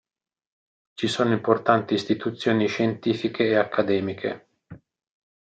Ci sono importanti istituzioni scientifiche e accademiche.